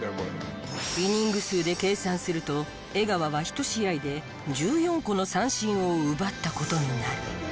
イニング数で計算すると江川は１試合で１４個の三振を奪った事になる。